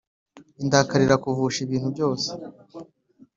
Indakarira kuvusha ibintu byose